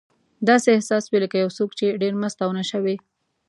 داسې احساس وي لکه یو څوک چې ډېر مست او نشه وي.